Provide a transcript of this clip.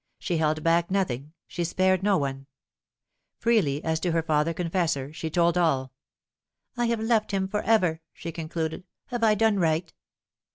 She held back nothing, she spared no one. Freely, as to her The Verdict of Tier Church. 159 father confessor, she told all. " I have left him for ever," she concluded. " Have I done right